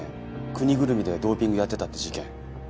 国ぐるみでドーピングやってたって事件。